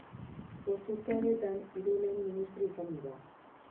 Bost urte hauetan, hiru lehen ministro izan dira.